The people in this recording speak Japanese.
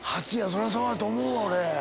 そらそうやと思うわ俺。